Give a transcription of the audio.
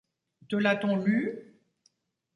Te l’a-t on lue ?